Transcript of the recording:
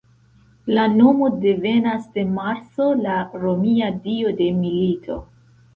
La nomo devenas de Marso, la romia dio de milito.